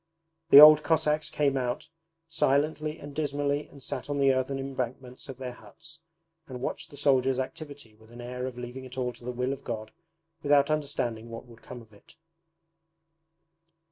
The old Cossacks came out silently and dismally and sat on the earthen embankments of their huts, and watched the soldiers' activity with an air of leaving it all to the will of God without understanding what would come of it.